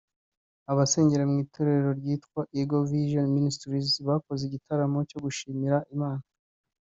Abasengera mu itorero ryitwa Eagle Vision Ministries bakoze igitaramo cyo gushimira Imana